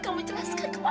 kamu jelaskan ke mama